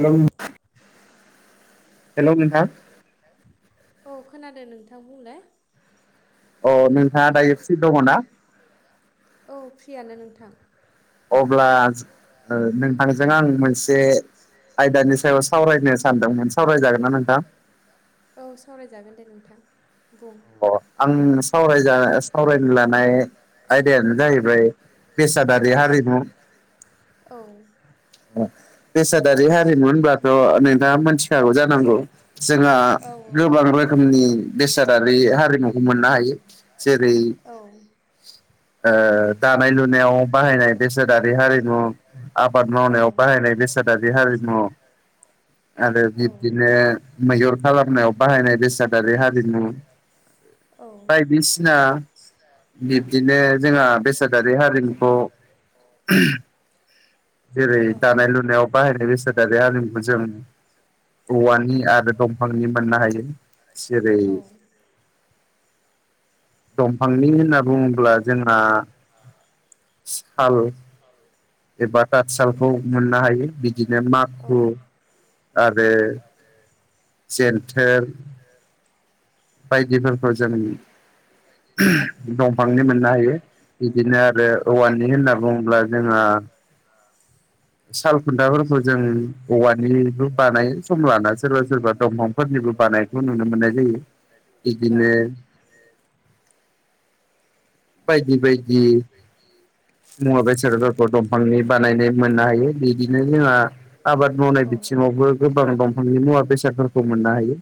हेल hello नोंथां औ खोनादों नोंथां बुंलाय अ नोंथा दा एबसे दङ ना औ फ्रियानो नोंथां अब्ला ओ नोंथांजों आं मोनसे आयदानि सायाव सावरायनो सानदोंमोन सावरायजागोन ना नोंथां औ सावरायजागोन दे नोंथां बुं अ आं सावरायजा सावरायनो लानाय आयदायानो जाहैबाय बेसादारि हारिमु औ [inaudible] बेसादारि हारिमु होनब्लाथ' नोंथाङा मोनथिखागौ जानांगौ जोंहा औ गोबां रोखोम नि बेसादारि हारिमुखौ मोननो हायो जेरै औ ओ दानाय लुनायाव बाहायनाय बेसादारि हारिमु आबाद औ मावनायाव बाहायनाय बेसादारि हारिमु आरो औ औ बिब्दिनो मैहुर खालामनायाव बाहायनाय बेसादारि हारिमु औ बायदिसिना बिब्दिनो जोंहा बेसादारि हारिमुखौ जेरै दानाय लुनायाव बाहायनाय बेसादारि हारिमुखौ जों औवानि आरो दंफांनि मोननो हायो जेरै दंफांनि होनना बुङोब्ला जोंहा साल एबा खातसालखौ मोननो हायो बिदिनो औ माखु आरो जन्टेल बायदिफोरखौ जों दंफांनि मोननो हायो बिदिनो आरो औवानि होनना बुङोब्ला जोंहा साल खुन्थाफोर जों औवानिबो बानाय सम लाना सोरबा सोरबा दंफांफोरनिबो बानायखौ नुनो मोननाय जायो बिदिनो बायदि बायदि मुवा बेसरफोरखौ दंफांनि बानायनाय मोननो हायो बिदिनो जोंहा आबाद मावनाय बिथिं आवबो गोबां दंफांनि मुवा बेसादफोरखौ मोननो हायो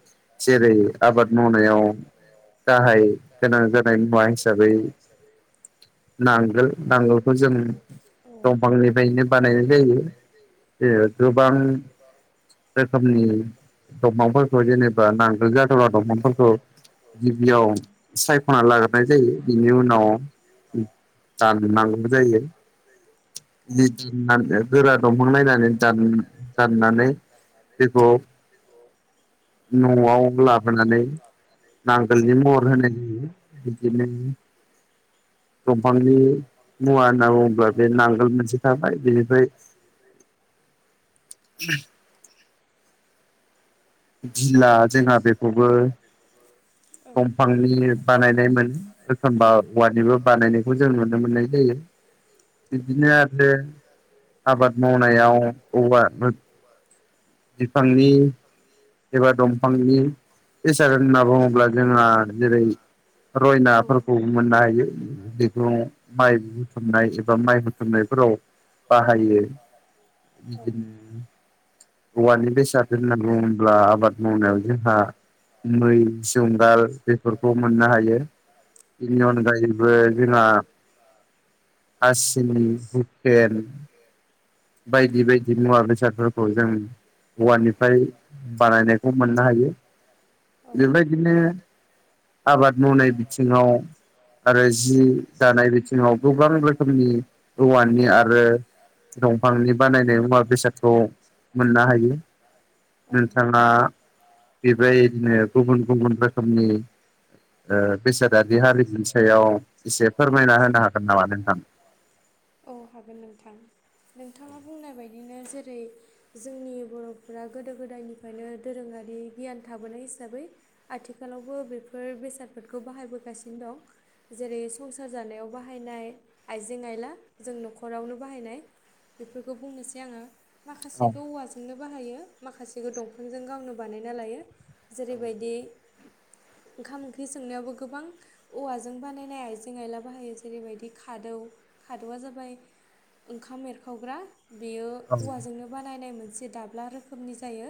जेरै आबाद मावनायाव गाहाय गोनां जानाय मुवा हिसाबै नांगोल नांग ल जों दंफांनिफ्रायनो बानायनाय जायो। [unintelligible] गोबां रोखोमनि दंफांफोरखौ जेनेबा नांगोल जादला दंफांफोरखौ गिबियाव सायखना ला [unintelligible] नाय जायो बिनि उनाव दाननांगौ जायो [unintelligible] गोरा दंफां नायनानै दान दाननानै [unintelligible] नआव लाबोनानै नांगोलनि महर होनाय जायो बिदिनो बिफांनि मुवा होनना बुङोब्ला बे नांगोल मोनसे थाबाय बेनिफ्राय [inaudible] दिला जोंहा बेखौबो दंफांनि बानायनायमोन एखनबा औवानिबो बानायनायखौ जों नुनो मोननाय जायो बिदिनो आरो आबाद मावनायाव औवाबो बिफांनि एबा दं बिफांनि इसाद होनना बुङोब्ला जोंहा जेरै रयनाफोरखौ मोननो हायो बेखौ माइ बुथुमनाय एबा माइ बुथुमनाय फोराव बाहायो बिदिनो औवानि बेसाद [unintelligible] होनना बुङोब्ला आबाद मावनायाव जोंहा मै जुंगाल बेफोरखौ मोननो हायो बिनि अनगायैबो जोंहा हासिनि हुखेन बायदि बाय दि मुवा बेसादफोरखौ जों औवाननिफ्राय बानायनायखौ मोननो हायो बेबायदिनो आबाद मावनाय बिथिङाव आरो जि दानाय बिथिङाव गोबां रोखोमनि औवानि आरो दंफांनि बानायनाय मुवा बेसादखौ मोननो हायो औ नोंथाङा बेबायदिनो गुबुन गुबुन रोखोमनि ओ बेसादि हारिनि सायाव एसे फोरमायना होनो हागोन नामा नोंथां औ हागोन नोंथां नोंथाङा बुंनाय बायदिनो जेरै जोंनि बर'फोरा गोदो गोदायनिफ्रायनो दोरों आरि गियान थाबोनाय हिसाबै आथिखालावबो बेफोर बेसाद फोरखौ बाहायगासिनो दं जेरै संसार जानायाव बाहायनाय आइजें आइला जों नखरावनो बाहायनाय बेफोरखौ बुंनोसै आङो औ माखासेखौ औवाजोंनो बाहायो माखासेखौ दंफांजों गावनो बानायना लायो जेरैबायदि ओंखाम ओं ओंख्रि संनायावबो गोबां औवाजों बानायनाय आइजें आइला बाहायो जेरैबायदि खादौ खादौआ जाबाय ओंखाम एरखावग्रा बेयो औवाजोंनो बानायनाय मोनसे दाब्ला रोखोमनि जायो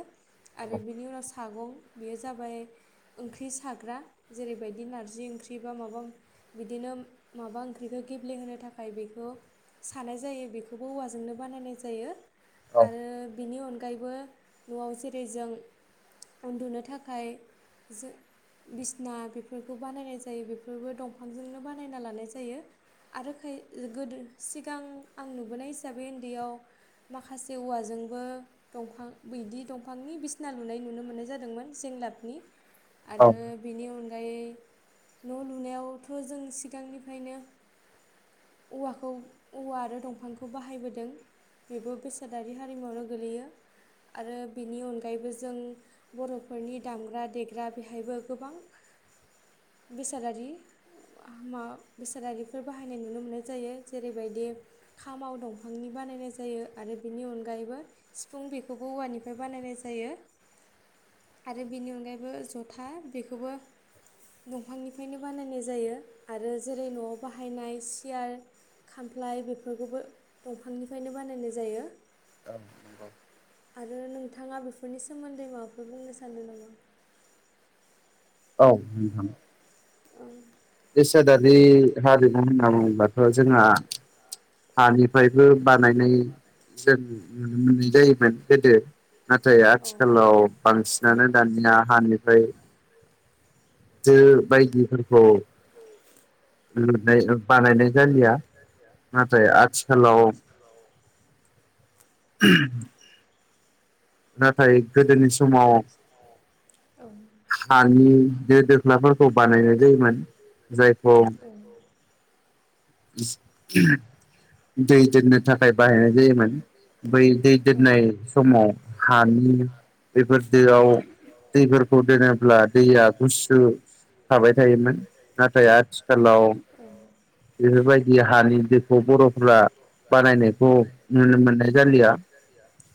आरो बिनि उनाव सागं बेयो जाबाय ओंख्रि साग्रा जेरैबायदि नारजि ओंख्रि बा माबा बिदिनो माबा ओंख्रिखौ गेब्लेहोनो थाखाय बेखौ सानाय जायो बेखौबो औवाजोंनो बानायनाय जायो औ आरो बिनि अनगायैबो नआव जेरै जों उन्दुनो थाखाय जों बिस ना बेफोरखौ बानायनाय जायो बेफोरबो दंफांजोंनो बानायना लानाय जायो आरो खाय गोदो सिगां आं नुबोनाय हिसाबै उन्दैयाव माखासे औवाजोंबो दंफां बैदि दंफांनि बिसिना लुनाय नुनो मोन्नाय जादोंमोन जों लाबनि औ आरो औ बेनि अनगायै न लुनायावथ जों सिगांनिफ्रायनो औवाखौ औवा आरो दंफांखौ बाहायबोदों बेबो बेसादारि हारिमुआवनो गोलैयो आरो बेनि अनगायैबो जों बर'फोरनि दामग्रा देग्रा बेहायबो गोबां बेसादारि। बेसादारिफोर बाहायनाय नुनो मोननाय जायो जेरैबायदि खामाव दंफांनि बा बानायनाय जायो आरो बेनि अनगायैबो सिफुं बेखौबो औवानिफ्राय बानायनाय जायो। [inaudible] आरो बेनि अनगायैबो जथा बेखौबो। दंफांनिफ्रायनो बानायनाय जायो आरो जेरै नआव बाहायनाय सियार। खामफ्लाय बेफोरखौबो दंफांनिफ्रायनो बानायनाय जायो। औ नंगौ। आरो नोंथाङा बेफोरनि सोमोन्दै माबाफोर बुंनो सानदों नामा? औ। औ बेसादादि हारिमु होनना बुङोबाथ जोंहा हानिफ्रायबो बानायनाय जों नुनो मोननाय जायोमोन गोदो। नाथाय औ आथिखालाव बांसिनानो दानिया हानिफ्राय। जो बायदिफोरखौ औ लुनाय बानायनाय जालिया। नाथाय आथिखालाव। [unintelligible] नाथाय गोदोनि समाव हानि गोदो दो ख्लाफोरखौ बानायनाय जायोमोन जायखौ औ दै दोननो थाखाय बाहायनाय जायोमोन। बै दै दोननाय समाव हानि बेफोर दोआव। दैफोरखौ दोनोब्ला दैया गुसु। थाबाय थायोमोन नाथाय आथिखालाव बेफोरबायदि हानि दखौ बर'फ्रा बानायनायखौ नुनो मोननाय जालिया।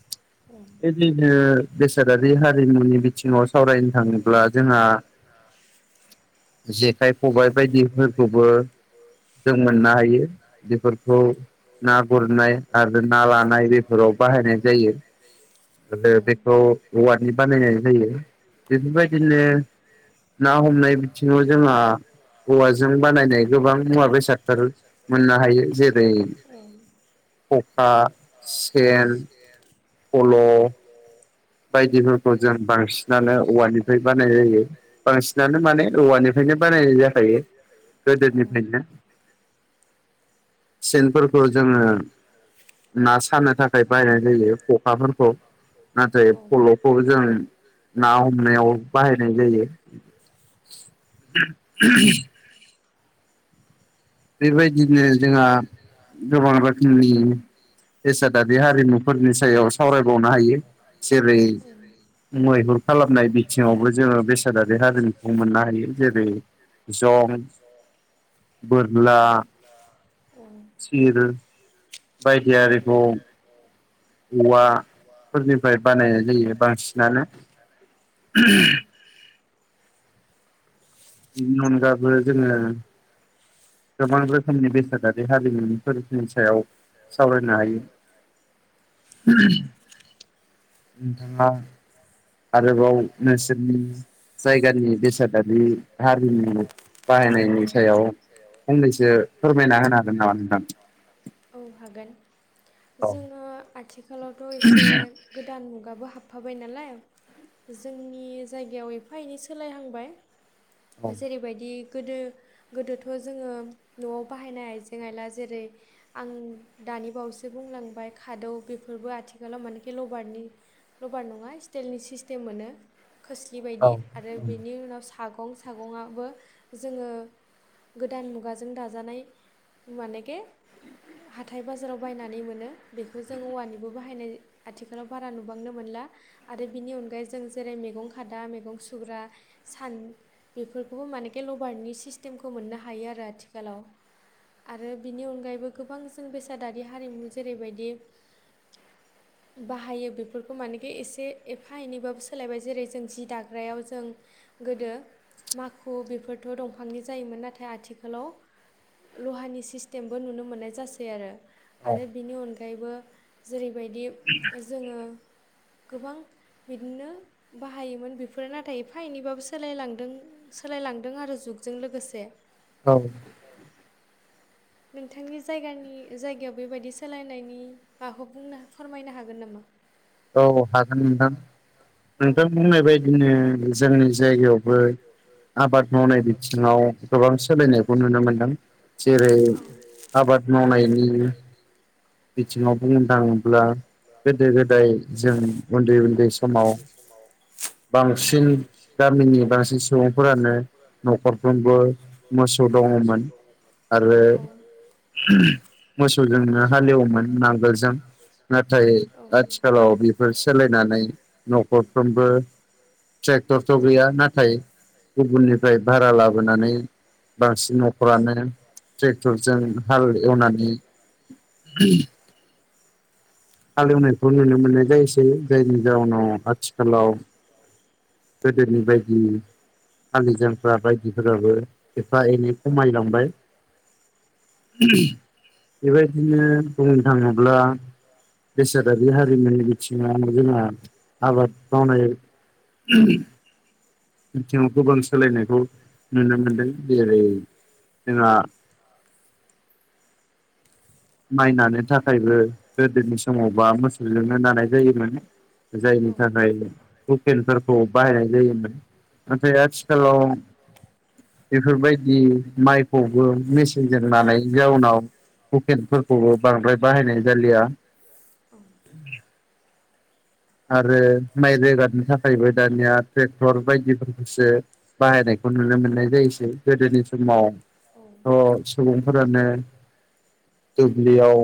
[inaudible] थिख बेदिनो बेसादारि हारिमुनि बिथिङाव सावरायनो थाङोब्ला जोंहा जेखाइ खबाय बायदिफोरखौबो। जों औ औ मोननो हायो बेफोरखौ। ना गुरनाय आरो ना लानाय बेफोराव बाहायनाय जायो। आरो बेखौ औवानि बानायनाय जायो बेफोरबायदिनो। ना हमनाय बिथिङाव जोंहा औवाजों बानायनाय गोबां मुवा बेसादफोर मोननो हायो जेरै औ खखा सेन फल बायदिफोरखौ जों बांसिनानो औवानिफ्राय बानाय जायो बांसिनानो माने औवानिफ्रायनो बानायनाय जाखायो गोदोनिफ्रायनो। सेनफोरखौ जोङो सेनफोरखौ जोंङो। ना सानो थाखाय बायनाय जायो खखाफोरखौ नाथाय फलखौ जों ना हमनायाव बाहायनाय जायो- [unintelligible] बेबायदिनो जोंहा गोबां रोखोमनि बेसादारि हारिमुफोरनि सायाव सावरायबावनो हायो जेरै मैहुर खालामनाय बिथिङावबो जोंङो बेसादारि हारिमुखौ मोननो हायो। जेरै जं ला औ थिर बायदि आरिखौ औवाफोरनिफ्राय बानायनाय जायो बांसिनानो। उम्म बिनि अन गाबो जोंङो गोबां रोखोमनि बेसादारि हारिमुनिफोरनि सायाव सावरायनो हायो। [unintelligible] नोंथाङा आरोबाव नोंसोरनि जायगानि बेसादारि हारिनि बाहायनायनि सायाव फंनैसो फोरमायना होनो हागोन नामा नोंथां हागोन जोङो आथिखालावथ' एसे गोदान मोन गाबो हाबफाबाय नालाय जोंनि जायगायाव एफा एनै सोलायहांबाय जेरैबायदि गोदो गोदोथ' जोङो न'आव बाहायनाय आइजें आइला जेरै आं दानि बावैसो बुं बुंलांबाय खादौ बेफोरबो आथिखालाव मानेखि लबारनि लबार नङा स्टलनि सिस्टेम मोनो खोस्लि बायदि नामा नोंथां? आरो बेनि उनाव सागं सागंआबो जोङो गोदान मुगाजों दाजानाय मानेखे हाथाय बाजाराव बायनानै मोनो बेखौ जों औवानिबो बायनाय आथिालाव बारा नुबांनो मोनला आरो बिनि अनगायै जों जेरै मैगं खादा मैगं सुग्रा सान बेफोरखौबो मानेखि लबारनि सिस सिस्टेमखौ मोननो हायो आरो आथिखालाव आरो बिनि अनगायैबो गोबां जों बेसादारि हारिमु जेरैबायदि [inaudible] [unintelligible] बाहायो बेफोरखौ मानेखि एसे एफा एनैबाबो सोलायबाय जेरै जों जि दाग्रायाव जों गोदो माखु बेफोरथ' दं फांनि जायोमोन नाथाय आथिखालाव लहानि सिस्टेमबो नुनो मोननाय जासै आरो औ आरो बिनि अनगायैबो जेरैबायदि जोङो गोबां बिदिनो बाहायोमोन बेफोरो नाथाय एफा एनैबाबो सोलायलांदों सोलायलांदों आरो जुगजों लोगोसे औ नोंथांनि जायगानि जायगायाव बेबायदि सोलायनायनि आखौ बुंनो फोरमायनो हागोन नामा औ हागोन नोंथां औ नोंथां बुंनाय बायदिनो जोंनि जायगायावबो आबाद मावनाय बिथिङाव गोबां सोलायनायखौ नुनो मोनदों जेरै औ आबाद मावनायनायनि बिथिङाव बुंनो थाङोब्ला गोदो गोदाय जों उन्दै उन्दै समाव बांसिन गामिनि बांसिन सुबुंफोरानो न'खरफ्रोमबो मोसौ दङमोन आरो औ मोसौजोंनो हालेवोमोन नांगोलजों नाथाय औ आथिखालाव बेफोर सोलायनानै न'खरफ्रोमबो ट्रेक्टरथ' गैया नाथाय गुबुननिफ्राय भारा लाबोनानै बांसिन न'खरानो ट्रेक्टरजों हाल एवनानै [inaudible] [unintelligible] हालेवनायखौ औ नुनो मोननाय जायसै जायनि जाउनाव आथिखालाव गोदोनि बायदि हालिजांफ्रा बायदिफोराबो एफा एनै खमायलांबाय बेबायदिनो बुंनो थाङोब्ला बेसादारि हारिमुनि बिथिङाव जोंहा आबाद मावनाय बिथिङाव गोबां सोलायनायखौ नुनो मोनदों जेरै जोंहा माइ नानो थाखायबो गोदोनि समावबा मोसौजोंनो दानाय जायोमोन जायनि थाखाय औ हुखेनफोरखौ बाहायनाय जायोमोन नाथाय आथिखालाव बेफोरबायदि दि माइखौबो मेसिनजोंनानायनि जाउनाव हुखेनफोरखौबो बांद्राय बाहायनाय जालिया आरो माइ रोगारनो थाखायबो दानिया ट्रेक्टर बायदिफोरखौसो बाहायनाय नुनो मोननाय जायोसै गोदोनि समाव औ थ सुबुं फोरानो दुब्लियाव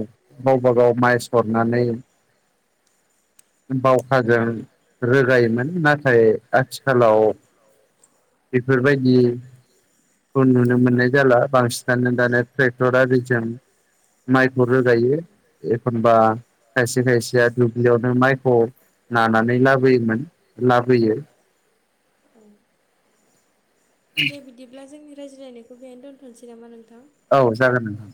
गावबाागाव माइ सरनानै [inaudible] बावखाजों रोगायोमोन नाथाय आथिखालाव बेफोर बायदि। खौ नुनो मोननाय जाला बांसिनानो दानिया ट्रेक्टर आरिजों। माइखौ रोगायो एखनबा खायसे खायसेआ दुब्लि यावनो माइखौ नानानै लाबोयोमोन लाबोयो। [inaudible] दे बिदिब्ला जोंनि रायज्रायनायखौ बेहायनो दोनथनोसै नामा नोंथां। औ जागोन नों